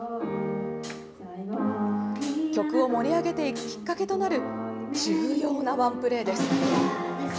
曲を盛り上げていくきっかけとなる、重要なワンプレーです。